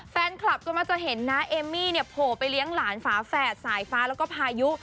แฟนคลับก็มักจะเห็นนะเอมมี่เนี่ยโผล่ไปเลี้ยงหลานฝาแฝดสายฟ้าแล้วก็พายุ